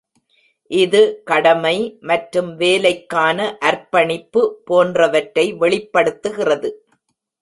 இது கடமை மற்றும் வேலைக்கான அர்ப்பணிப்பு போன்றவற்றை வெளிப்படுத்துகிறது.